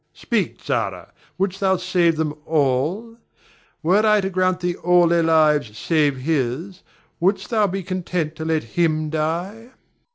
Speak, Zara! wouldst thou save them all? Were I to grant thee all their lives save his, wouldst thou be content to let him die?